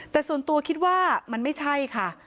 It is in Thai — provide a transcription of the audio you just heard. แต่ส่วนตัวคิดว่ามันไม่ใช่ค่ะ